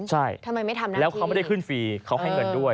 ใช่แล้วเขาไม่ได้ขึ้นฟรีเขาให้เงินด้วย